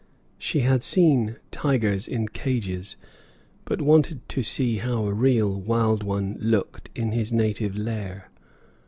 She had seen tigers in cages, but wanted to see how a real wild one looked in his native lair.